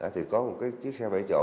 thì có một cái chiếc xe bảy chỗ